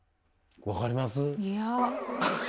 分かります？いや。